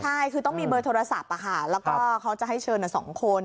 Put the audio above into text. ใช่คือต้องมีเบอร์โทรศัพท์แล้วก็เขาจะให้เชิญ๒คน